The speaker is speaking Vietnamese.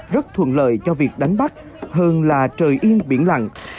rất thuận lợi cho việc đánh bắt hơn là trời yên biển lặng